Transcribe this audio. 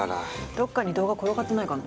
どっかに動画転がってないかな。